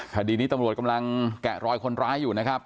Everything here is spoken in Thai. คดีนี้ตำรวจกำลังแกะรอยคนร้ายอยู่นะครับ